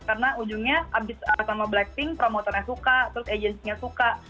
karena ujungnya abis sama blackpink promotornya suka terus agency nya suka